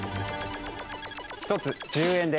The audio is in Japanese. １つ１０円で。